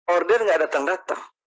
order tidak datang datang